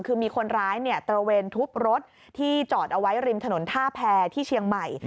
คือมีคนร้ายตระเวนทุบรถที่จอดเอาไว้ริมถนนท่าแพรที่เชียงใหม่